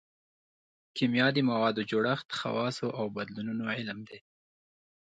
کیمیا د موادو د جوړښت خواصو او بدلونونو علم دی